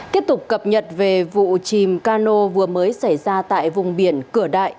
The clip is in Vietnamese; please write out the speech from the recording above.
tiếp tục cập nhật về vụ chìm cano vừa mới xảy ra tại vùng biển cửa đại